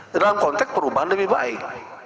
dalam konteks perubahan lebih baik